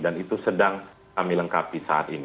dan itu sedang kami lengkapi saat ini